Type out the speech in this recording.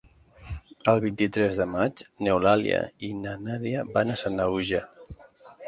El vint-i-tres de maig n'Eulàlia i na Nàdia van a Sanaüja.